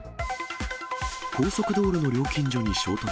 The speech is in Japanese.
高速道路の料金所に衝突。